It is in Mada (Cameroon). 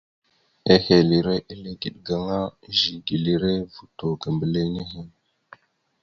Ehelire eligeɗ gaŋa, ezigelire vuto ga mbile nehe.